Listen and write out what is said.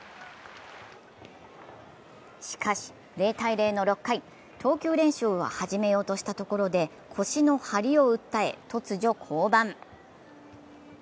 しかし、０−０の６回、投球練習を始めようとしたところで腰の張りを訴え突如、降板。